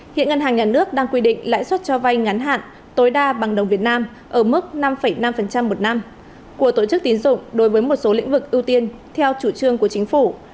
hiện ngân hàng nhà nước đang quy định lãi suất cho vay ngắn hạn tối đa bằng đồng việt nam ở mức năm năm một năm của tổ chức tín dụng đối với một số lĩnh vực ưu tiên theo chủ trương của chính phủ